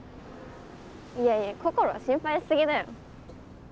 いやいや心は心配しすぎだよ。